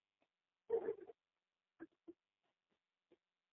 kabla hatujawachana na habari za majini